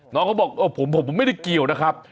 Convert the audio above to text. น้องเขาบอกผมไม่ได้เกี่ยวนะครับ